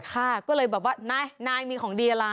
ค่ะก็เลยแบบว่านายมีของดีอะไร